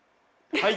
はい。